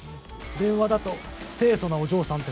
電話だと清楚なお嬢さんって感じだった。